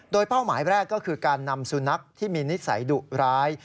โดยเป้าหมายแรกก็คือการนำสุนัขที่มีนิสัยดุร้าย